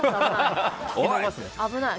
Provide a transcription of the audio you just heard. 危ない。